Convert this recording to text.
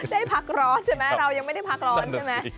ได้พักร้อนใช่ไหมเรายังไม่ได้พักร้อนใช่ไหม